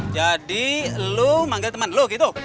jadi lu manggel temen lu gitu